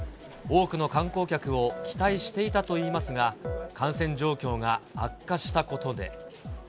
多くの観光客を、期待していたといいますが、感染状況が悪化したことで。